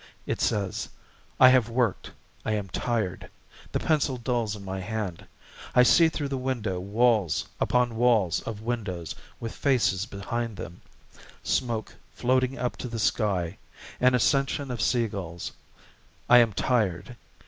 It says: "I have worked, I am tired, The pencil dulls in my hand: I see through the window Walls upon walls of windows with faces behind them, Smoke floating up to the sky, an ascension of seagulls. I am tired.